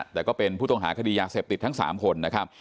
แต่ก็เป็นผู้ต้องหาคดียาเสพติดทั้ง๓คนนะครับ